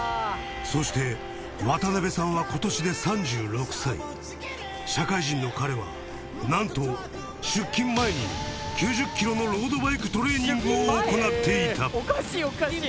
そして渡邊さんは今年で３６歳社会人の彼はなんと出勤前に９０ｋｍのロードバイクトレーニングを行っていたおかしいおかしい。